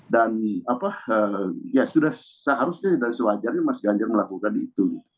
dan ya sudah seharusnya dari sewajarnya mas ganjar melakukan itu